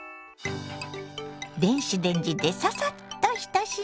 電子レンジでササッと１品。